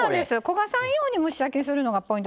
焦がさんように蒸し焼きにするのがポイントです。